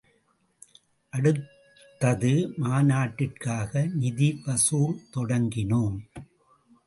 அடுத்தது மாநாட்டிற்காக நிதி வசூல் தொடங்கினோம்.